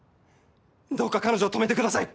どうか彼女を止めてください。